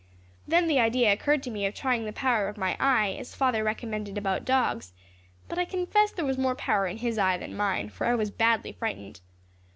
Then the idea occurred to me of trying the power of my eye, as father recommended about dogs; but I confess there was more power in his eye than mine, for I was badly frightened.